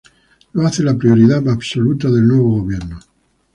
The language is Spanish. Lo hace la prioridad absoluta del nuevo gobierno.